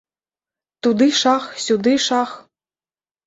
Туды шах, сюды шах.